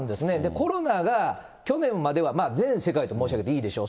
コロナが去年までは全世界と申し上げていいでしょう。